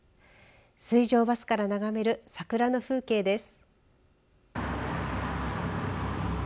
水上バスから眺める桜の風景です。